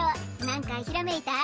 なんかひらめいた？